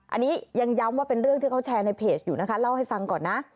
อันนี้ยังย้ำว่าเป็นเรื่องที่เขาแชร์ในเพจอยู่นะคะเล่าให้ฟังก่อนนะ